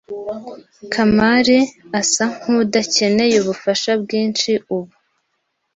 kamali asa nkudakeneye ubufasha bwinshi ubu.